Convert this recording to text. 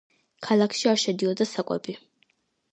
ქალაქში არ შედიოდა საკვები.